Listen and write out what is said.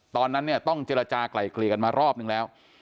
ตอนนั้นเนี่ยต้องเจรจากลายเกลี่ยกันมารอบนึงแล้ว